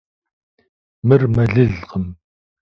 Мыр мэлылкъым.